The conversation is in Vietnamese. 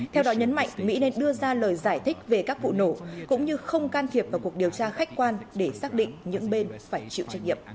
theo đó nhấn mạnh mỹ nên đưa ra lời giải thích về các vụ nổ cũng như không can thiệp vào cuộc điều tra khách quan để xác định những bên phải chịu trách nhiệm